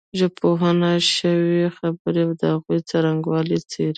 ژبپوهنه شوې خبرې او د هغوی څرنګوالی څېړي